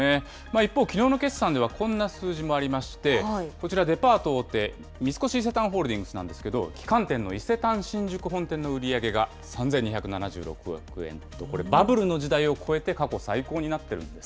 一方、きのうの決算ではこんな数字もありまして、こちらデパート大手、三越伊勢丹ホールディングスですが、旗艦店の伊勢丹新宿本店の売り上げが３２７６億円と、これ、バブルの時代を超えて、過去最高になっているんです。